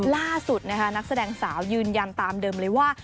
ล่าสุดนะคะนักแสดงสาวยืนยันตามเดิมเลยว่า